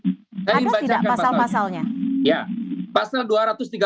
ada tidak pasal pasalnya